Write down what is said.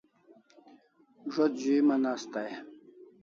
Zo't zu'iman asta e?